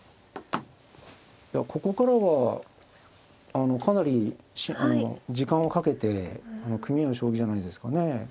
ここからはかなり時間をかけて組み合う将棋じゃないですかね。